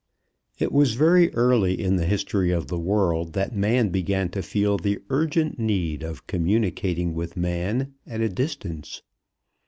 It was very early in the history of the world that man began to feel the urgent need of communicating with man at a distance.